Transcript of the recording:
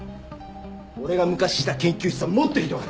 俺が昔いた研究室はもっとひどかった！